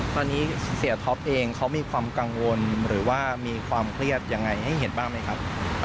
ตอนนี้เสียท็อปเองเขามีความกังวลหรือว่ามีความเครียดยังไงให้เห็นบ้างไหมครับ